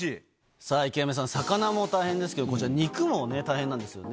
さあ、池上さん、魚も大変ですけど、こちら、肉も大変なんですよね。